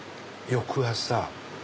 翌朝？